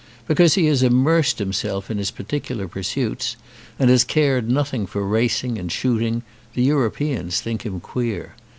Because he has immersed himself in his particular pursuits and has cared nothing for racing and shooting the Europeans think him queer.